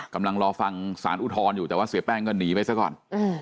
กำลังรอฟังสารอุทธรณ์อยู่แต่ว่าเสียแป้งก็หนีไปซะก่อน